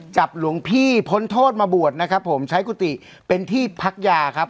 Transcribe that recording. หลวงพี่พ้นโทษมาบวชนะครับผมใช้กุฏิเป็นที่พักยาครับ